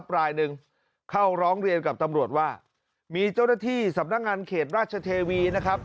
ปลายหนึ่งเข้าร้องเรียนกับตำรวจว่ามีเจ้าหน้าที่สำนักงานเขตราชเทวีนะครับ